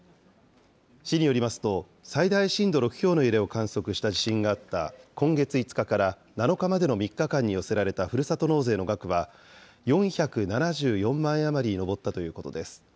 市によりますと、最大震度６強の揺れを観測した地震があった今月５日から７日までの３日間に寄せられたふるさと納税の額は、４７４万円余りに上ったということです。